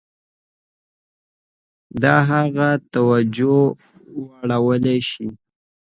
د هغه توجه واړول شي.